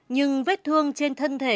nhưng vết thương trên thân thể